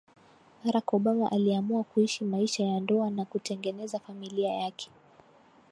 Barack Obama aliamua kuishi maisha ya ndoa na kutengeneza familia yake